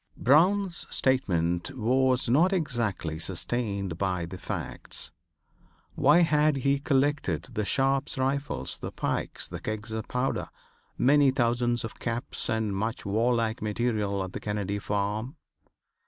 Brown's statement was not exactly sustained by the facts. Why had he collected the Sharpe's rifles, the pikes, the kegs of powder, many thousands of caps and much warlike material at the Kennedy farm?